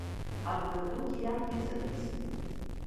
Абгадугьы иамгеит, саргьы исымгеит.